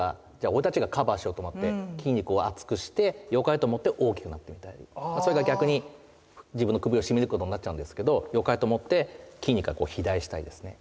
俺たちがカバーしようと思って筋肉を厚くしてよかれと思って大きくなっていったりそれが逆に自分の首を絞めることになっちゃうんですけどよかれと思って筋肉が肥大したりですね。